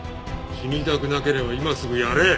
死にたくなければ今すぐやれ！